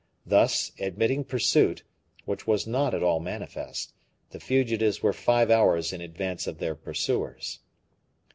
Thus, admitting pursuit, which was not at all manifest, the fugitives were five hours in advance of their pursuers.